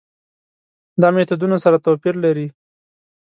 دا میتودونه سره توپیر لري.